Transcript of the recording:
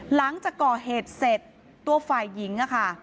หลังจากก่อเหตุเสร็จตัวฝ่ายหญิงอะค่ะ